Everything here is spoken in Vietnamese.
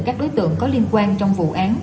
các đối tượng có liên quan trong vụ án